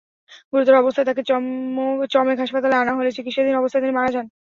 গুরুতর অবস্থায় তাঁকে চমেক হাসপাতালে আনা হলে চিকিৎসাধীন অবস্থায় তিনি মারা যান।